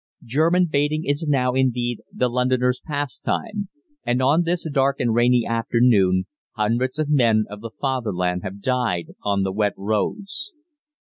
German baiting is now, indeed, the Londoner's pastime, and on this dark and rainy afternoon hundreds of men of the Fatherland have died upon the wet roads.